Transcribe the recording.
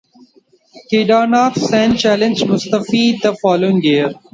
Kedarnath Sen challenged Mustafi the following year.